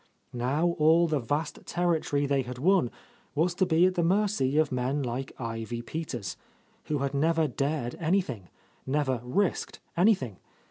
Now all the vast territory they had won was to be at the mercy of men like Ivy Peters, who had never dared anything, never risked anything.